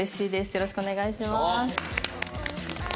よろしくお願いします。